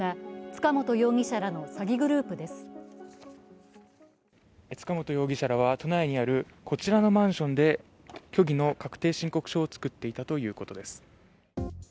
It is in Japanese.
塚本容疑者らは都内にあるこちらのマンションで虚偽の確定申告書を作っていたということです。